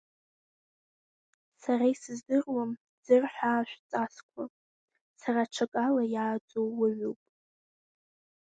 Сара исыздыруам ӡырҳәаа шәҵасқәа, сара аҽакала иааӡоу уаҩуп!